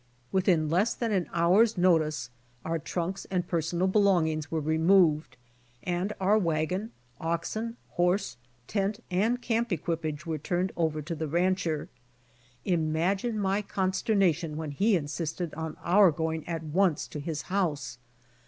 Within less than an hour's notice, our trunks and personal belongings were removed and our w^agon, oxen, horse, tent and camp equipage were turned over to the rancher. Imagine my consternation when he insisted on our going at once to his house.